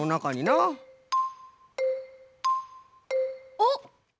あっ！